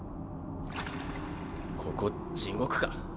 ここ地獄か？